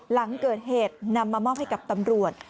หลังเกิดเหตุนำมามอบให้กับตำรวจ